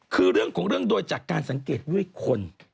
คือเรื่องของเรื่องโดยจากการสังเกตด้วยคน